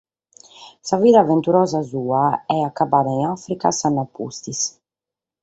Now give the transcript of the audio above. Sa vida aventurosa sua est acabbada in Àfrica s’annu a pustis.